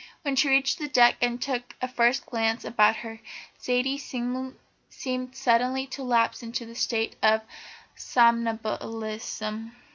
When she reached the deck and took a first glance about her, Zaidie seemed suddenly to lapse into a state of somnambulism.